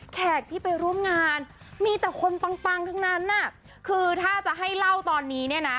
แขกที่ไปร่วมงานมีแต่คนปังปังทั้งนั้นน่ะคือถ้าจะให้เล่าตอนนี้เนี่ยนะ